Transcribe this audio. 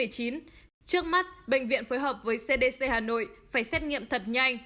trước mắt bệnh viện phối hợp với cdc hà nội phải xét nghiệm thật nhanh